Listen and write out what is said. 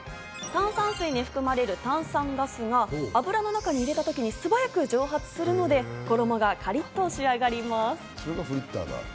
炭酸水に含まれる炭酸ガスが油の中に入れた時に素早く蒸発するので、衣がカリっと仕上がります。